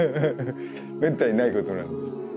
めったにないことなんで。